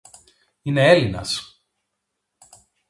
Είναι Έλληνας!